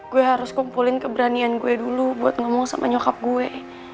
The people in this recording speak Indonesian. gue harus kumpulin keberanian gue dulu buat ngomong sama nyokap gue